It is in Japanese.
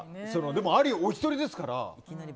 でも、ありはおひとりですから。